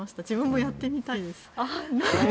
自分もやってみたいです。